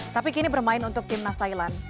tapi kini bermain untuk timnas thailand